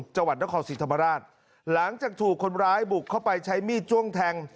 จังหวัดนครศรีธรรมราชหลังจากถูกคนร้ายบุกเข้าไปใช้มีดจ้วงแทง